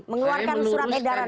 mengeluarkan surat edaran ini